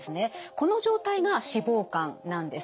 この状態が脂肪肝なんです。